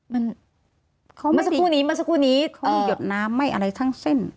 เมื่อสักครู่นี้เมื่อสักครู่นี้เขาหยดน้ำไม่อะไรทั้งเส้น